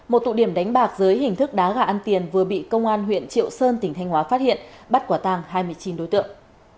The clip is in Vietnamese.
một tụ điểm đánh bạc dưới hình thức đá gà ăn tiền vừa bị công an huyện triệu sơn tỉnh thanh hóa phát hiện bắt quả tàng hai mươi chín đối tượng